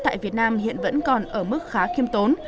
tại việt nam hiện vẫn còn ở mức khá khiêm tốn